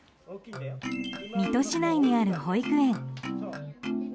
水戸市内にある保育園。